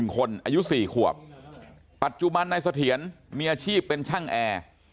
คนอายุ๔ขวบปัจจุบันนายเสถียรมีอาชีพเป็นช่างแอร์